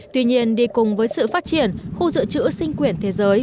tuy nhiên đi cùng với sự phát triển khu dự trữ sinh quyển thế giới